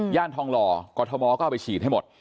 ทองหล่อกรทมก็เอาไปฉีดให้หมด